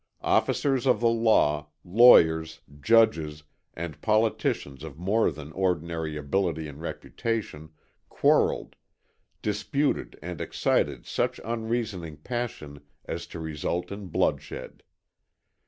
Officers of the law, lawyers, judges and politicians of more than ordinary ability and reputation, quarreled, disputed and excited such unreasoning passion as to result in bloodshed.